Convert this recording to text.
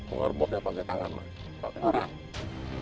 orbotnya pakai tangan pakai arah